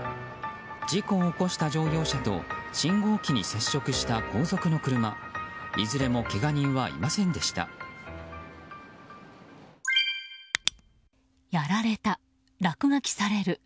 事故を起こした乗用車と信号機に接触した後続の車いずれもけが人はいませんでした。